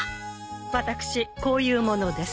こういう者です。